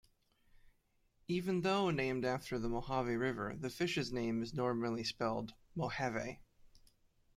Even though named after the Mojave River, the fish's name is normally spelled "Mohave".